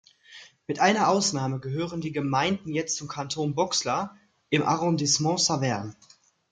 Mit einer Ausnahme gehören die Gemeinden jetzt zum Kanton Bouxwiller im Arrondissement Saverne.